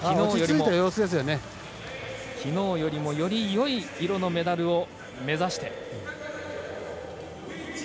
きのうよりもよりよい色のメダルを目指して。